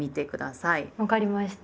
分かりました。